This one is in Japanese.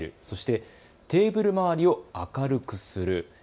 そしてテーブル周りを明るくする。